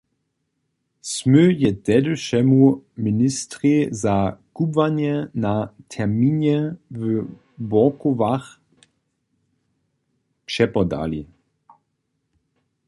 Smy je tehdyšemu ministrej za kubłanje na terminje w Bórkowach přepodali.